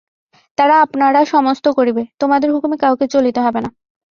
তারা আপনারা সমস্ত করিবে, তোমাদের হুকুমে কাউকে চলিতে হবে না।